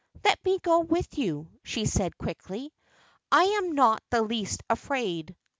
"Let me go with you," she said, quickly; "I am not the least afraid.